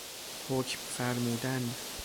حکم فرمودن